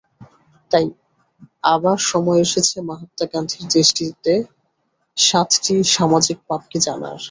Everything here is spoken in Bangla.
তাই আবার সময় এসেছে মহাত্মা গান্ধীর দৃষ্টিতে সাতটি সামাজিক পাপকে জানার।